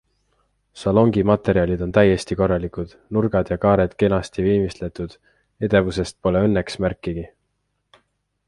Salongi materjalid on täiesti korralikud, nurgad ja kaared kenasti viimistletud, edevusest pole õnneks märkigi.